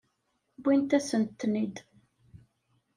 Wwint-asent-ten-id.